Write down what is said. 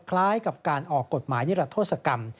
คล้ายกับการออกกฎหมายนิรัทธศกรรม